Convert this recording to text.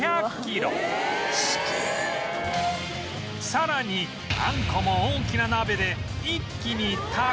さらにあんこも大きな鍋で一気に炊く